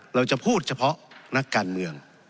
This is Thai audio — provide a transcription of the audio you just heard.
เราจะพูดเฉพาะนักการเมือง